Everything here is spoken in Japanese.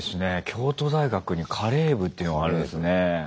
京都大学にカレー部っていうのがあるんですね。